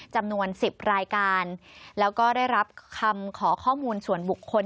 จำนวน๑๐รายการแล้วก็ได้รับคำขอข้อมูลส่วนบุคคล